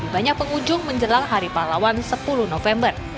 banyak pengunjung menjelang hari pahlawan sepuluh november